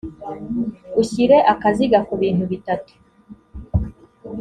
ushyire akaziga ku bintu bitatu.